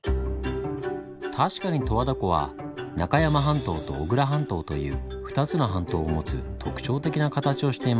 確かに十和田湖は中山半島と御倉半島という２つの半島を持つ特徴的な形をしています。